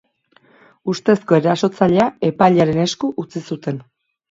Ustezko erasotzailea epailearen esku utzi zuten.